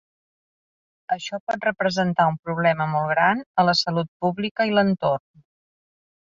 Això pot representar un problema molt gran a la salut pública i l'entorn.